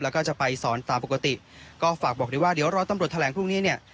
แล้วก็จะไปสอนตามปกติก็ฝากบอกได้ว่าเดี๋ยวรอตำรวจแถลงพรุ่งนี้เนี่ย